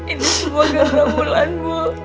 ini semua karena bulan bu